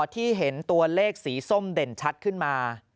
ที่เห็นตัวเลขสีส้มเด่นชัดขึ้นมา